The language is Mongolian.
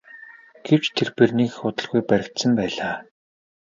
Гэвч тэрбээр нэг их удалгүй баригдсан байлаа.